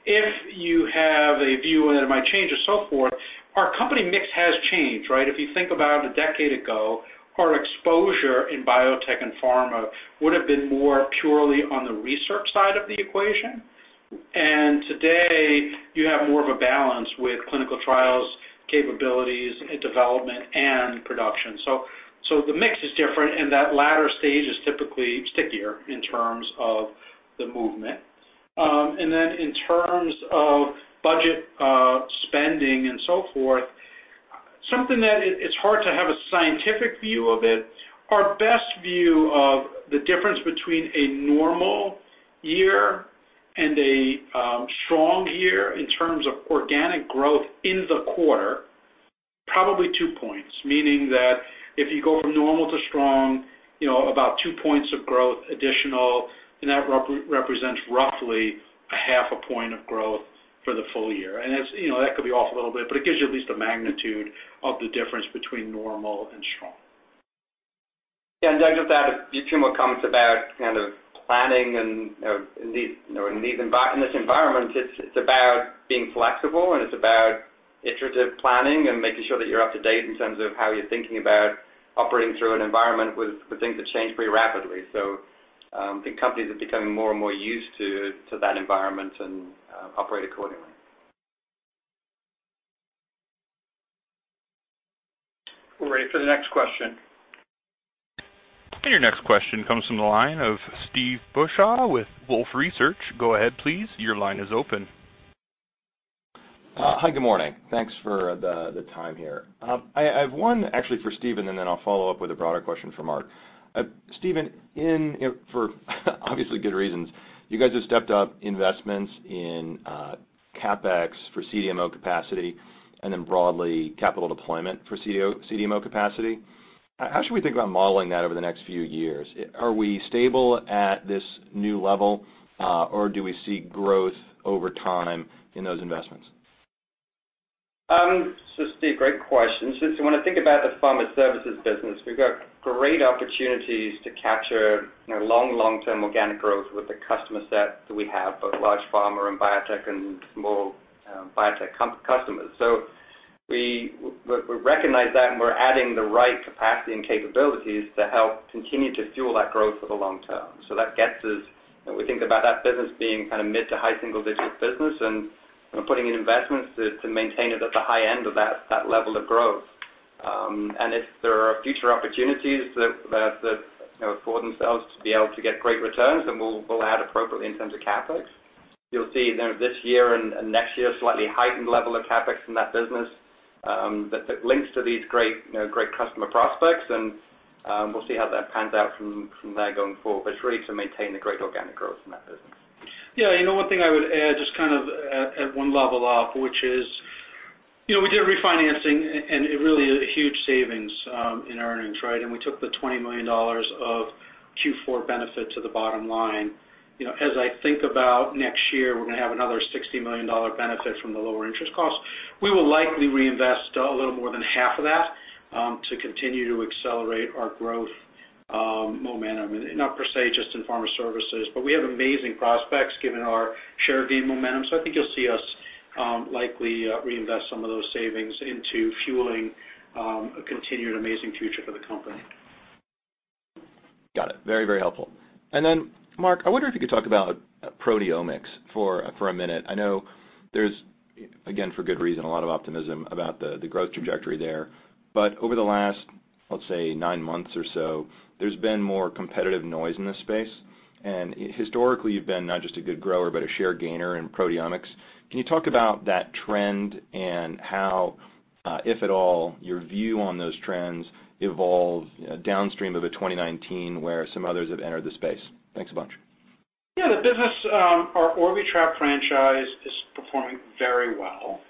If you have a view and it might change or so forth, our company mix has changed, right? If you think about a decade ago, our exposure in biotech and pharma would have been more purely on the research side of the equation. Today, you have more of a balance with clinical trials, capabilities, and development and production. The mix is different, and that latter stage is typically stickier in terms of the movement. In terms of budget spending and so forth, something that it's hard to have a scientific view of it. Our best view of the difference between a normal year and a strong year in terms of organic growth in the quarter, probably two points, meaning that if you go from normal to strong, about two points of growth additional. That represents roughly a half a point of growth for the full year. That could be off a little bit, but it gives you at least a magnitude of the difference between normal and strong. Yeah. Just add a few more comments about planning in this environment. It's about being flexible, and it's about iterative planning and making sure that you're up to date in terms of how you're thinking about operating through an environment with things that change pretty rapidly. I think companies are becoming more and more used to that environment and operate accordingly. We're ready for the next question. Your next question comes from the line of Steve Beuchaw with Wolfe Research. Go ahead, please. Your line is open. Hi, good morning. Thanks for the time here. I have one actually for Stephen, and then I'll follow up with a broader question for Mark. Stephen, for obviously good reasons, you guys have stepped up investments in CapEx for CDMO capacity, and then broadly capital deployment for CDMO capacity. How should we think about modeling that over the next few years? Are we stable at this new level, or do we see growth over time in those investments? Steve, great question. Since we want to think about the pharma services business, we've got great opportunities to capture long-term organic growth with the customer set that we have, both large pharma and biotech and small biotech customers. We recognize that, and we're adding the right capacity and capabilities to help continue to fuel that growth for the long term. We think about that business being mid to high single-digit business and putting in investments to maintain it at the high end of that level of growth. If there are future opportunities that afford themselves to be able to get great returns, then we'll add appropriately in terms of CapEx. You'll see this year and next year, a slightly heightened level of CapEx in that business that links to these great customer prospects, and we'll see how that pans out from there going forward. It's really to maintain the great organic growth in that business. Yeah. One thing I would add, just at one level up, which is we did a refinancing, and it really is a huge savings in earnings, right? We took the $20 million of Q4 benefit to the bottom line. As I think about next year, we're going to have another $60 million benefit from the lower interest costs. We will likely reinvest a little more than half of that, to continue to accelerate our growth momentum, and not per se, just in pharma services. We have amazing prospects given our share gain momentum. I think you'll see us likely reinvest some of those savings into fueling a continued amazing future for the company. Got it. Very helpful. Marc, I wonder if you could talk about proteomics for a minute. I know there's, again, for good reason, a lot of optimism about the growth trajectory there. Over the last, let's say, nine months or so, there's been more competitive noise in this space. Historically, you've been not just a good grower, but a share gainer in proteomics. Can you talk about that trend and how, if at all, your view on those trends evolve downstream of a 2019 where some others have entered the space? Thanks a bunch. Yeah, the business, our Orbitrap franchise, is performing very well.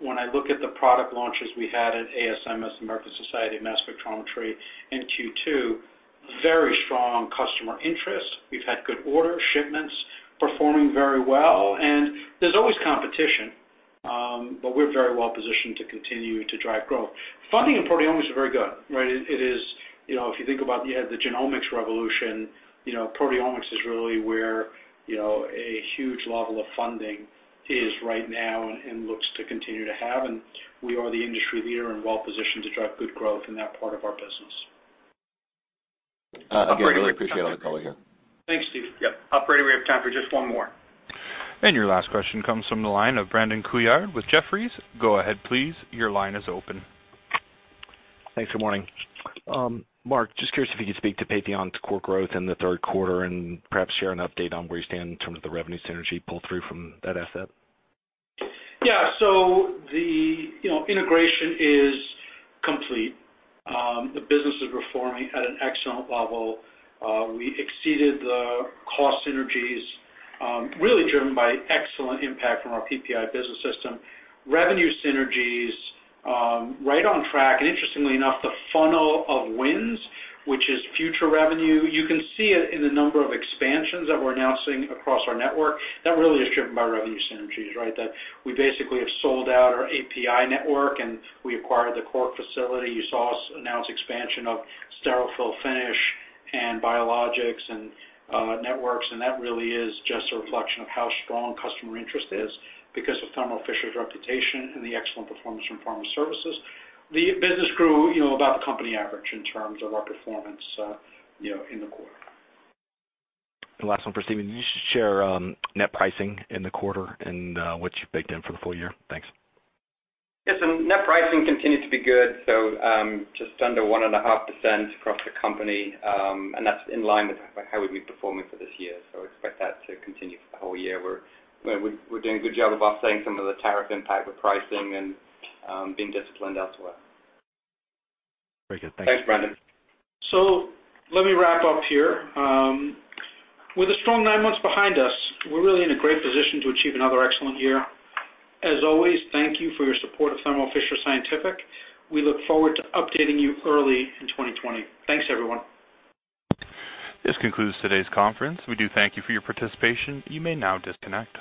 When I look at the product launches we had at ASMS, American Society for Mass Spectrometry in Q2, very strong customer interest. We've had good order shipments performing very well, and there's always competition, but we're very well positioned to continue to drive growth. Funding in proteomics is very good. If you think about, you had the genomics revolution, proteomics is really where a huge level of funding is right now and looks to continue to have, and we are the industry leader and well positioned to drive good growth in that part of our business. Again, really appreciate all the color here. Thanks, Steve. Yep. Operator, we have time for just one more. Your last question comes from the line of Brandon Couillard with Jefferies. Go ahead, please. Your line is open. Thanks. Good morning. Mark, just curious if you could speak to Patheon's core growth in the third quarter and perhaps share an update on where you stand in terms of the revenue synergy pull through from that asset? Yeah. The integration is complete. The business is performing at an excellent level. We exceeded the cost synergies, really driven by excellent impact from our PPI business system. Revenue synergies, right on track, and interestingly enough, the funnel of wins, which is future revenue, you can see it in the number of expansions that we're announcing across our network. That really is driven by revenue synergies, right? That we basically have sold out our API network, and we acquired the core facility. You saw us announce expansion of sterile fill finish and biologics and networks, and that really is just a reflection of how strong customer interest is because of Thermo Fisher's reputation and the excellent performance from pharma services. The business grew about the company average in terms of our performance in the quarter. Last one for Stephen. Can you just share net pricing in the quarter and what you've baked in for the full year? Thanks. Net pricing continued to be good, just under 1.5% across the company, and that's in line with how we've been performing for this year. Expect that to continue for the whole year. We're doing a good job of offsetting some of the tariff impact with pricing and being disciplined elsewhere. Very good. Thank you. Thanks, Brandon. Let me wrap up here. With a strong nine months behind us, we're really in a great position to achieve another excellent year. As always, thank you for your support of Thermo Fisher Scientific. We look forward to updating you early in 2020. Thanks, everyone. This concludes today's conference. We do thank you for your participation. You may now disconnect.